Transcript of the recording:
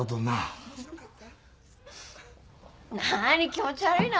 気持ち悪いな。